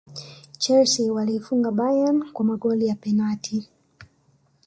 chelsea waliifunga bayern kwa magoli ya penati